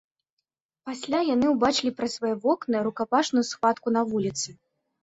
Пасля яны ўбачылі праз свае вокны рукапашную схватку на вуліцы.